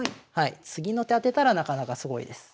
次の手当てたらなかなかすごいです。